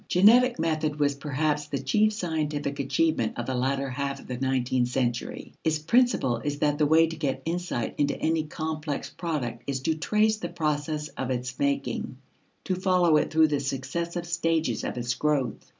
Genetic method was perhaps the chief scientific achievement of the latter half of the nineteenth century. Its principle is that the way to get insight into any complex product is to trace the process of its making, to follow it through the successive stages of its growth.